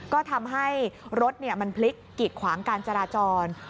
ก็ทำให้รถมันพลิกกิดขวางการจราจร